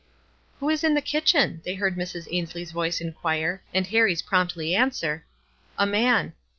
"Who is in the kitchen?" they heard Mrs. Ainslie's voice inquire, and Harrie's promptly answer, — "A man."